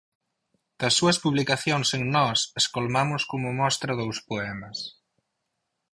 Das súas publicacións en Nós, escolmamos como mostra dous poemas.